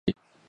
索纳克。